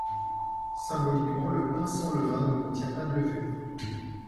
Symboliquement, le pain sans levain ne contient pas de levure.